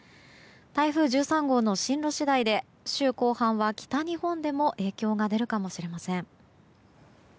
台風１３号の進路次第で週後半は北日本でも影響が出るかもしれません。